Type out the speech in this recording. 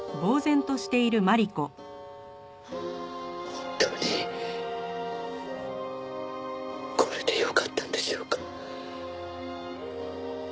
本当にこれでよかったんでしょうか？